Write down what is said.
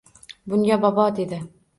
Bunga bobo dedi: